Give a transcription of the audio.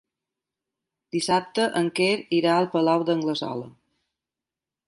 Dissabte en Quer irà al Palau d'Anglesola.